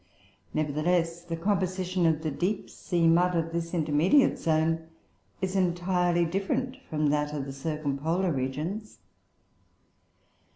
Nevertheless the composition of the deep sea mud of this intermediate zone is entirely different from that of the circumpolar regions.